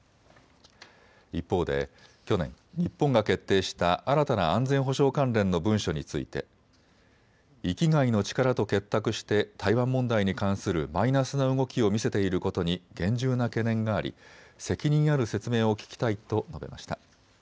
一方で去年、日本が決定した新たな安全保障関連の文書について域外の力と結託して台湾問題に関するマイナスな動きを見せていることに厳重な懸念があり責任ある説明を聞きたいと述べました。